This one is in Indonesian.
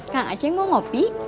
kang aceng mau kopi